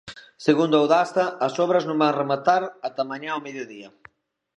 Segundo Audasa, as obras non van rematar ata mañá ao mediodía.